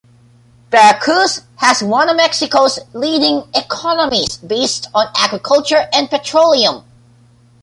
Veracruz has one of Mexico's leading economies, based on agriculture and petroleum.